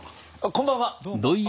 こんばんは。